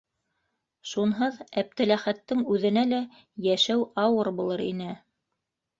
Шунһыҙ Әптеләхәттең үҙенә лә йәшәү ауыр булыр ине.